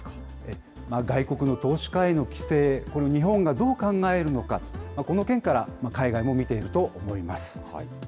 外国の投資家への規制、これを日本がどう考えるのか、この点から海外も見ていると思います。